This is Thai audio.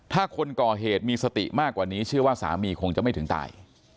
ถ้าคนก่อเหตุมีสติมากกว่านี้เชื่อว่าสามีคงจะไม่ถึงตาย